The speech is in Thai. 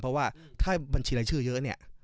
เพราะว่าถ้าบัญชีรายชื่อเยอะเนี่ย